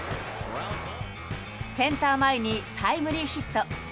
センター前にタイムリーヒット。